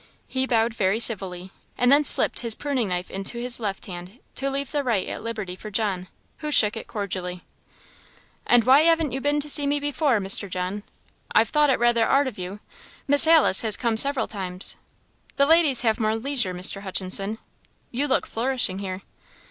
He bowed very civilly, and then slipped his pruning knife into his left hand, to leave the right at liberty for John, who shook it cordially. "And why 'aven't you been to see me before, Mr. John? I've thought it rather 'ard of you: Miss h'Alice has come several times." "The ladies have more leisure, Mr. Hutchinson. You look flourishing here."